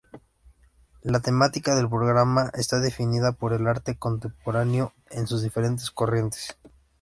La temática del programa está definida por el arte contemporáneo en sus diferentes corrientes.